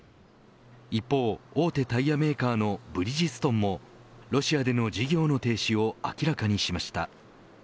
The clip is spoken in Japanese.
一方、大手タイヤメーカーのブリヂストンもロシアでの事業の停止を明らかにしました。